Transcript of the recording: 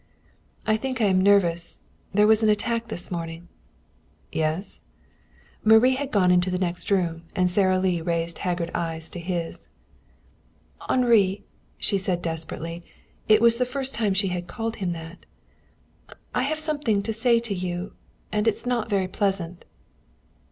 "I think I am nervous. There was an attack this morning." "Yes?" Marie had gone into the next room, and Sara Lee raised haggard eyes to his. "Henri," she said desperately it was the first time she had called him that "I have something to say to you, and it's not very pleasant."